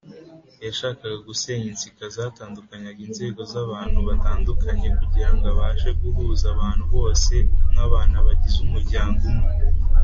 . Yashakaga gusenya insika zatandukanyaga inzego z’abantu batandukanye, kugira ngo abashe guhuza abantu bose nk’abana bagize umuryango umwe